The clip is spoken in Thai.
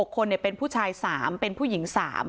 ๖คนเป็นผู้ชาย๓เป็นผู้หญิง๓